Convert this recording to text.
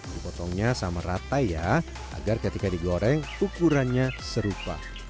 dipotongnya sama rata ya agar ketika digoreng ukurannya serupa